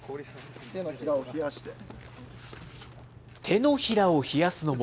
手のひらを冷やして。